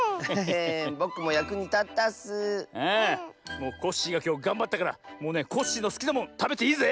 ああもうコッシーがきょうがんばったからもうねコッシーのすきなもんたべていいぜ！